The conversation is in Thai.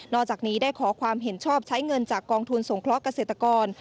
อกจากนี้ได้ขอความเห็นชอบใช้เงินจากกองทุนสงเคราะห์เกษตรกร